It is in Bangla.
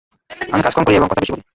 আমি কাজ কম করি, এবং কথা বেশি বলি।